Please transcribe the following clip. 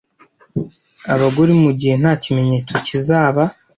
abagore mugihe nta kimenyetso kizaba